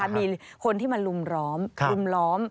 มีคนที่มาลุมล้อมรุมล้อม